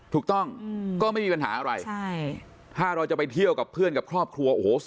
ถูกต้องก็ไม่มีปัญหาอะไรใช่ถ้าเราจะไปเที่ยวกับเพื่อนกับครอบครัวโอ้โห